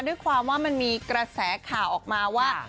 ด้วยความว่ามันมีกระแสข่าวออกมาว่า